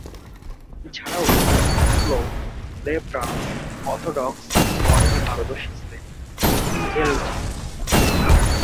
এছাড়াও, slow left arm orthodox বোলিংয়ে পারদর্শী ছিলেন কিম এলজি।